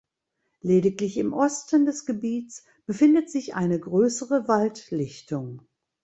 Lediglich im Osten des Gebiets befindet sich eine größere Waldlichtung.